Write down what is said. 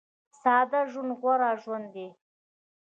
ساده ژوند غوره ژوند دی